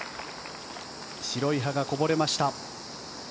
白い歯がこぼれました。